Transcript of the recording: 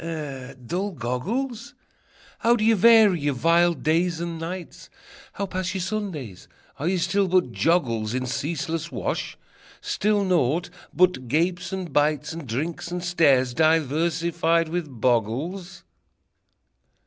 eh, dull goggles? How do ye vary your vile days and nights? How pass your Sundays? Are ye still but joggles In ceaseless wash? Still naught but gapes and bites, And drinks and stares, diversified with boggles?